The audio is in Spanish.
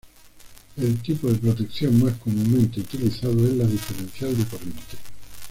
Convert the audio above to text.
El tipo de protección más comúnmente utilizado es la diferencial de corriente.